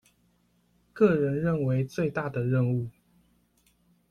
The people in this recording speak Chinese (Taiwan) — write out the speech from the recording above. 個人認為最大的任務